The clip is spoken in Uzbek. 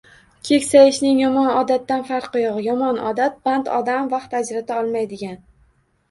Keksayishning yomon odatdan farqi yo’q. Yomon odat – band odam vaqt ajrata olmaydigan.